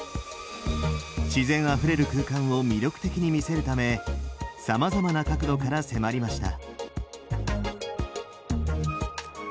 自然あふれる空間を魅力的に見せるためさまざまな角度から迫りました。